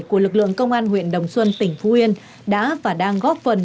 của lực lượng công an huyện đồng xuân tỉnh phú yên đã và đang góp phần